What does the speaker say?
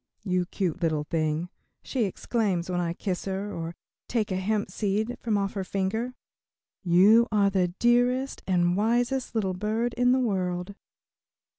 "You cute little thing," she exclaims when I kiss her, or take a hemp seed from off her finger, "you are the dearest and wisest little bird in the world."